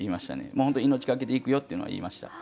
本当に命懸けでいくよっていうのは言いました。